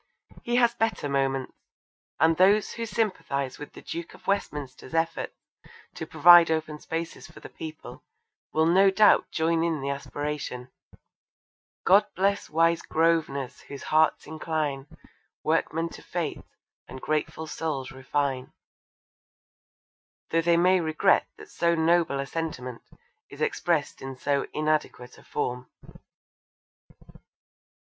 He has better moments, and those who sympathise with the Duke of Westminster's efforts to provide open spaces for the people, will no doubt join in the aspiration God bless wise Grosvenors whose hearts incline, Workmen to fete, and grateful souls refine; though they may regret that so noble a sentiment is expressed in so inadequate a form.